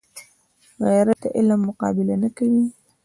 غیرت د علم مقابله نه کوي